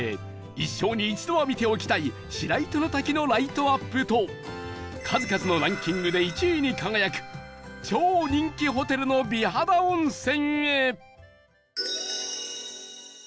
一生に一度は見ておきたい白糸の滝のライトアップと数々のランキングで１位に輝く超人気ホテルの美肌温泉へ